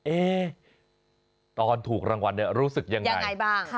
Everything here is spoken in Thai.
ตอนถูกรางวัลเนี่ยรู้สึกยังไงบ้าง